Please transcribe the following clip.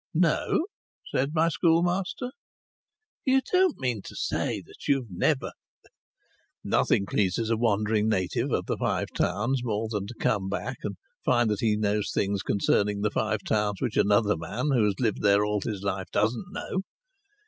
"No," said my schoolmaster. "You don't mean to say you've never " Nothing pleases a wandering native of the Five Towns more than to come back and find that he knows things concerning the Five Towns which another man who has lived there all his life doesn't know.